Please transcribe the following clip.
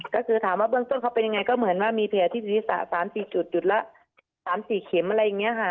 ก็คือถามว่าเบื้องต้นเขาเป็นยังไงก็เหมือนว่ามีแผลที่ศีรษะ๓๔จุดจุดละ๓๔เข็มอะไรอย่างนี้ค่ะ